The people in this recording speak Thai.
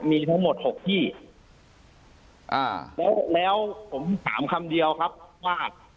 มีทั้งหมดหกที่อ่าแล้วแล้วผมถามคำเดียวครับว่า